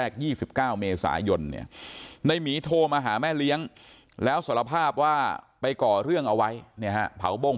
เขาบอกไหมว่าทำไมถึงไม่ยอมเลิก